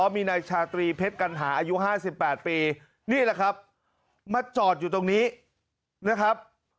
มีนายชาตรีเพชรกัณหาอายุ๕๘ปีนี่แหละครับมาจอดอยู่ตรงนี้นะครับ